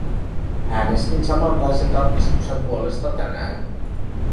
Äänestin samanlaisen tarkistuksen puolesta tänään.